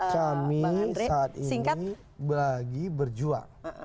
kami saat ini lagi berjuang